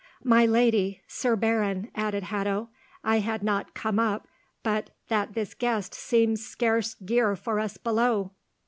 "My lady—Sir Baron," added Hatto, "I had not come up but that this guest seems scarce gear for us below.